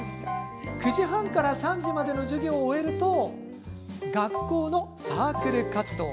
９時半から３時までの授業を終えると学校のサークル活動。